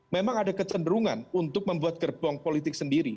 memang ada kecenderungan untuk membuat gerbong politik sendiri